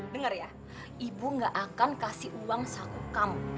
dengar ya ibu gak akan kasih uang saku kamu